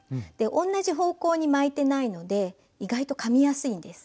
同じ方向に巻いてないので意外とかみやすいんです。